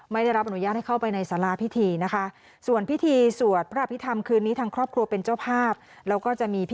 มันเป็นคนเก่งมาก